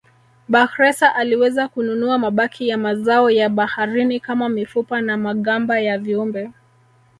Bakhresa aliweza kununua mabaki ya mazao ya baharini kama mifupa na magamba ya viumbe